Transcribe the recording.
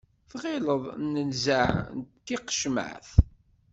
Tɣileḍ d nnzeɛ n tiqecmaɛt.